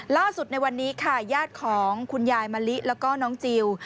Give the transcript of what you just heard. ล่าสุดในวันนี้ค่ะญาติของคุณยายมะลิแล้วก็น้องจิล